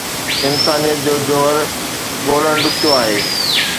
انسانيت جو جوهر ڳولڻ ڏکيو آهي.